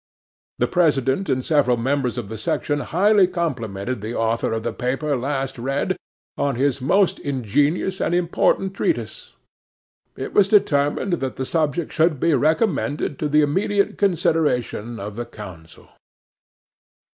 'The President and several members of the section highly complimented the author of the paper last read, on his most ingenious and important treatise. It was determined that the subject should be recommended to the immediate consideration of the council.